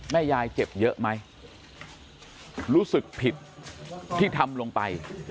แม่ยายเจ็บเยอะไหมรู้สึกผิดที่ทำลงไป